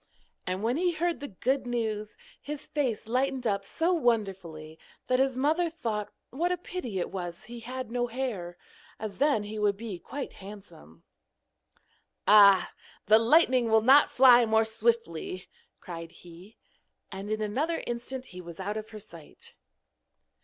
And when he heard the good news, his face lightened up so wonderfully that his mother thought what a pity it was that he had no hair, as then he would be quite handsome. 'Ah, the lightning will not fly more swiftly,' cried he. And in another instant he was out of her sight.